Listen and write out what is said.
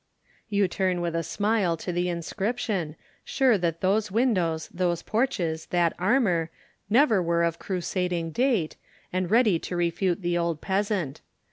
You turn with a smile to the inscription, sure that those windows, those porches, that armour, never were of crusading date, and ready to refute the old peasant.